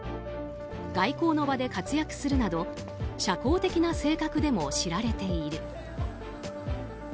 外交の場で活躍するなど社交的な性格でも知られている。